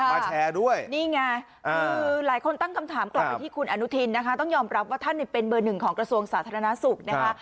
มาแชร์ด้วยนี่ไงคือหลายคนตั้งคำถามกลับไปที่คุณอนุทินนะคะต้องยอมรับว่าท่านเป็นเบอร์หนึ่งของกระทรวงสาธารณสุขนะคะ